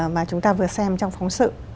mà chúng ta vừa xem trong phóng sự